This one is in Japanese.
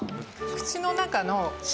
口の中の舌。